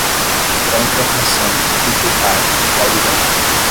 contrafração, inculcar, fraudulenta